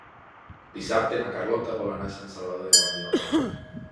Dissabte na Carlota vol anar a Sant Salvador de Guardiola.